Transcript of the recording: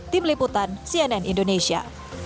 tim liputan cnn indonesia